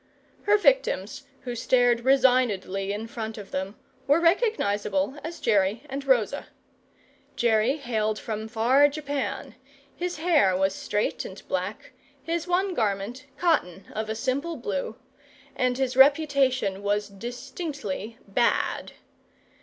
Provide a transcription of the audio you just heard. Her victims, who stared resignedly in front of them, were recognisable as Jerry and Rosa. Jerry hailed from far Japan: his hair was straight and black; his one garment cotton, of a simple blue; and his reputation was distinctly bad.